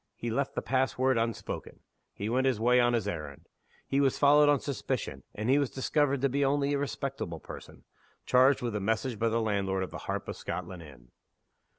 He left the pass word unspoken; he went his way on his errand; he was followed on suspicion; and he was discovered to be only "a respectable person," charged with a message by the landlord of the Harp of Scotland Inn!